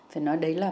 phải nói đấy là